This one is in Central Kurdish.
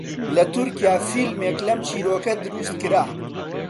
لە تورکیا فیلمێک لەم چیرۆکە دروست کرا